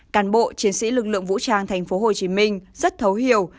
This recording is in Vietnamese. càn bộ chiến sĩ lực lượng vũ trang thành phố hồ chí minh rất thấu hiểu